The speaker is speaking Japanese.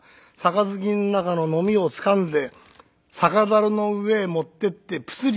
杯ん中ののみをつかんで酒だるの上へ持ってってプスリ。